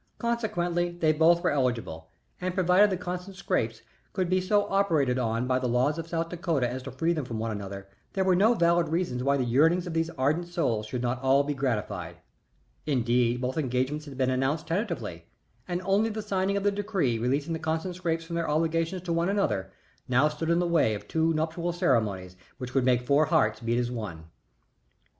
Consequently, they both were eligible, and provided the Constant Scrappes could be so operated on by the laws of South Dakota as to free them from one another, there were no valid reasons why the yearnings of these ardent souls should not all be gratified. Indeed, both engagements had been announced tentatively, and only the signing of the decree releasing the Constant Scrappes from their obligations to one another now stood in the way of two nuptial ceremonies which would make four hearts beat as one. Mrs.